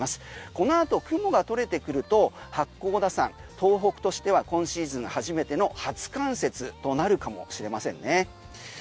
この後、雲が取れてくると八甲田山東北としては今シーズン初めての初冠雪となるかもしれませんね。